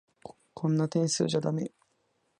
こんな点数じゃだめ。